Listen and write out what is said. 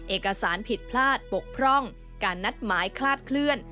เอกสารผิดพลาดบกพร่องการนัดหมายคลาดเคลื่อน